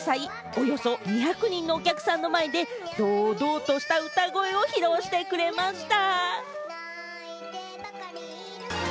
およそ２００人のお客さんの前で堂々とした歌声を披露してくれました。